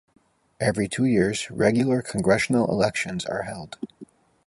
Every two years regular congressional elections are held.